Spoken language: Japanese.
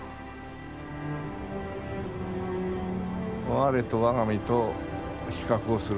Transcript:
我と我が身と比較をする。